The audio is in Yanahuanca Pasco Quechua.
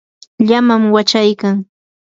llamam wachaykan.